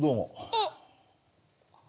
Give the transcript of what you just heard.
あっ。